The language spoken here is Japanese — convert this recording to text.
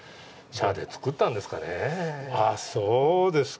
社で作ったんですかね。